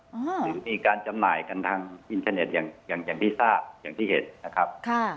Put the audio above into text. หรือมีการจำหน่ายกันทางอินเทอร์เน็ตอย่างอย่างที่ทราบอย่างที่เห็นนะครับค่ะ